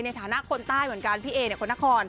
ในฐานะคนใต้เหมือนกันพี่เอเนี่ยคนนคร